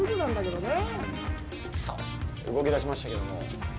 さあ、動きだしましたけども。